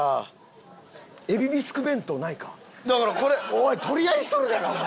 おい取り合いしとるがなお前！